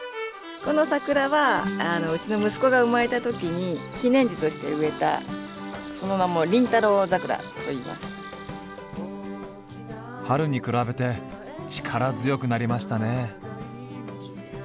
この桜はうちの息子が生まれたときに記念樹として植えたその名も春に比べて力強くなりましたね。